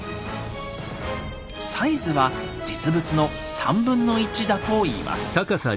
サイズは実物の1/3だといいます。